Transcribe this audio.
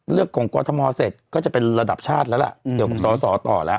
ของกรทมเสร็จก็จะเป็นระดับชาติแล้วล่ะเกี่ยวกับสอสอต่อแล้ว